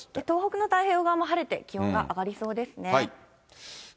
東北の太平洋側も晴れて、気温が上がりそうですね。